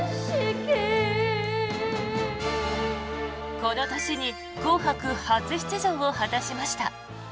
この年に「紅白」初出場を果たしました。